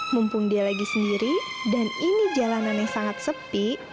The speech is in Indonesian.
mumpung dia lagi sendiri dan ini jalanan yang sangat sepi